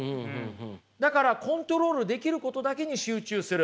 だからコントロールできることだけに集中する。